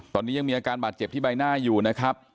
ตอนนี้ยังมีอาการบาดเจ็บที่ใบหน้าอยู่นะครับ